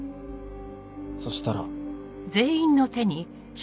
そしたら。